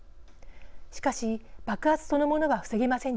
しかし爆発そのものは防げませんでした。